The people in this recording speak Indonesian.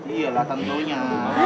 iya lah tentunya